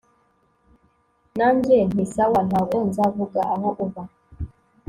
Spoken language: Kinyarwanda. nanjye nti sawa ntago nzavuga aho uba